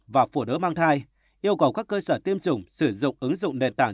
và phụ nữ mang thai yêu cầu các cơ sở tiêm chủng sử dụng ứng dụng nền tảng